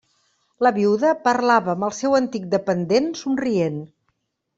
La viuda parlava amb el seu antic dependent somrient.